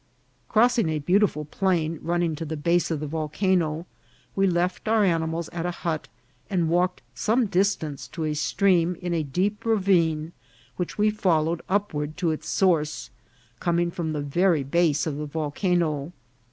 Crossing a beautiful plain running to the base of the volcano, we left our animals at a hut, and walked some distance to a stream in a deep ravine, which we followed upward to its source, com ing from the very base of the volcano.